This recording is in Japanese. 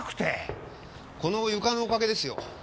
この床のおかげですよ。